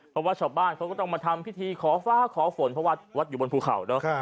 เพราะว่าชาวบ้านเขาก็ต้องมาทำพิธีขอฟ้าขอฝนเพราะวัดวัดอยู่บนภูเขาเนอะ